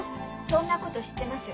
そんなこと知ってます。